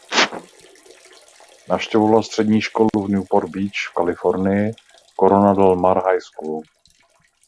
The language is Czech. Navštěvovala střední školu v Newport Beach v Kalifornii Corona del Mar High School.